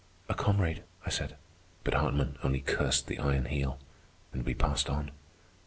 "A comrade," I said. But Hartman only cursed the Iron Heel, and we passed on.